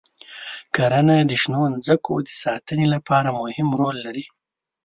کرنه د شنو ځمکو د ساتنې لپاره مهم رول لري.